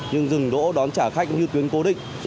nhưng dừng đỗ đón trả khách cũng như tuyến cố định